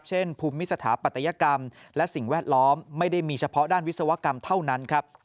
เช่นภูมิสถาปัตยกรรมและสิ่งแวดล้อมไม่ได้มีเฉพาะด้านวิศวกรรมเท่านั้นครับ